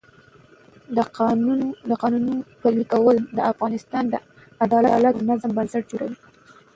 د قانون پلي کول د افغانستان د عدالت او نظم بنسټ جوړوي